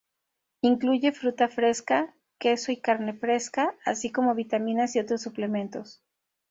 Incluye fruta fresca, queso y carne fresca, así como vitaminas y otros suplementos.